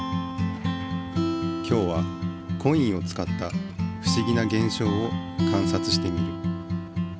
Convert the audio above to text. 今日はコインを使った不思議なげん象を観察してみる。